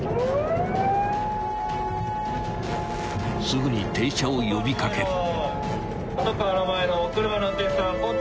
［すぐに停車を呼び掛ける］